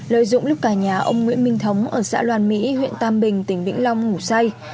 lợi dụng lúc cả nhà ông nguyễn minh thống ở xã loàn mỹ huyện tam bình tỉnh vĩnh long ngủ say